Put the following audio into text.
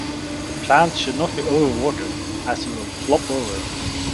The plant should not be over watered as it will flop over.